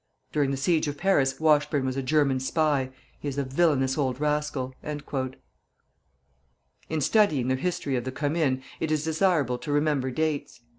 During the siege of Paris, Washburne was a German spy. He is a villanous old rascal." In studying the history of the Commune, it is desirable to remember dates.